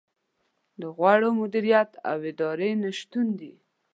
د غوره مدیریت او ادارې نه شتون دی.